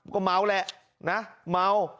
ก็เม้าแหละเม้า